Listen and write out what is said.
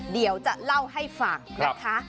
เดี๋ยวจะเล่าให้ฟังนะคะ